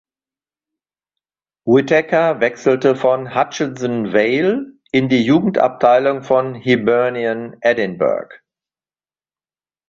Whittaker wechselte von "Hutchison Vale" in die Jugendabteilung von Hibernian Edinburgh.